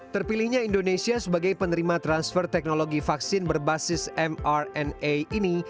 terpilihnya indonesia sebagai penerima transfer teknologi vaksin berbasis mrna ini